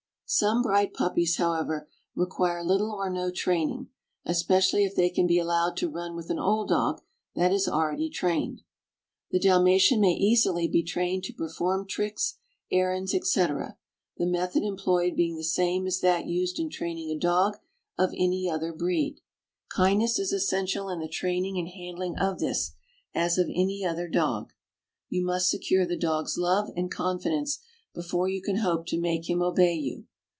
Some bright puppies, however, require little or no training, especially if they can be allowed to run with an old dog that is already trained. The Dalmatian may easily be trained to perform tricks, errands, etc., the method employed being the same as that used in training a dog of any other breed. Kindness is essential in the training and handling of this, as of any other dog. You must secure the dog's love and confidence before you can hope to make him obey you.